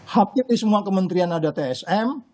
hampir di semua kementerian ada tsm